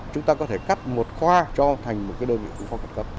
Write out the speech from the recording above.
chúng ta có thể cắt một khoa cho thành một đơn vị ứng phó khẩn cấp